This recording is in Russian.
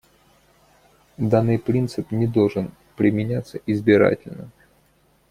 Данный принцип не должен применяться избирательно.